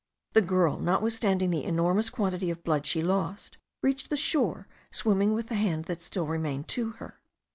The girl, notwithstanding the enormous quantity of blood she lost, reached the shore, swimming with the hand that still remained to her.